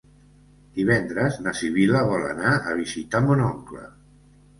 Divendres na Sibil·la vol anar a visitar mon oncle.